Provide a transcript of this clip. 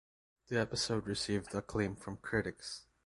The episode received acclaim from critics.